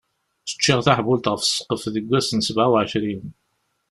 Ččiɣ taḥbult ɣef sqef deg wass n sebɛa uɛecrin.